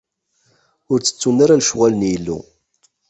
Ur ttettun ara lecɣwal n Yillu.